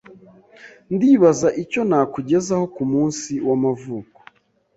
Ndibaza icyo nakugezaho kumunsi wamavuko.